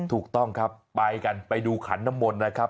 ถูกต้องครับไปกันไปดูขันน้ำมนต์นะครับ